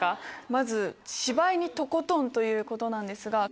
まず「芝居にとことん」ということなんですが。